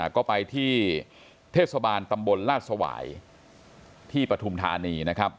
ก็ไปที่เทศบาลตำบลลาดสวายที่ปฐุมธานีนะครับ